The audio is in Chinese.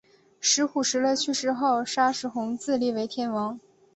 石虎于石勒去世后杀石弘自立为天王。